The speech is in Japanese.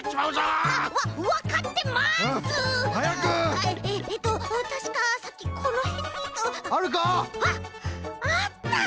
あっあった！